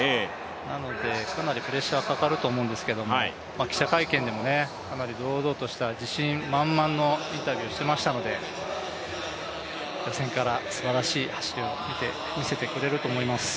なのでかなりプレッシャーかかると思うんですけど記者会見でもかなり堂々とした、自信満々のインタビューしていましたので、予選からすばらしい走りを見せてくれると思います。